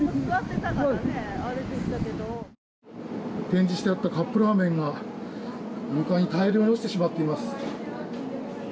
展示してあったカップラーメンが床に大量に落ちてしまっています。